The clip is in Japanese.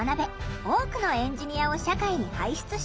多くのエンジニアを社会に輩出している。